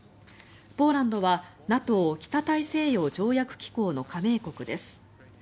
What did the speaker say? ポーランドはＮＡＴＯ・北大西洋条約機構の加盟国です。